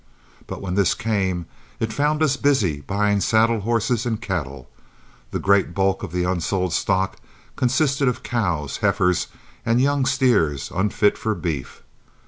But when this came, it found us busy buying saddle horses and cattle. The great bulk of the unsold stock consisted of cows, heifers, and young steers unfit for beef.